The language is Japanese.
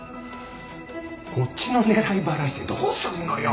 こっちの狙いバラしてどうすんのよ。